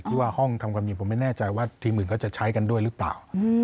ว่าห้องทำความจริงผมไม่แน่ใจว่าทีมอื่นเขาจะใช้กันด้วยหรือเปล่า